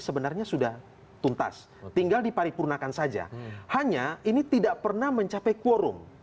sebenarnya sudah tuntas tinggal diparipurnakan saja hanya ini tidak pernah mencapai quorum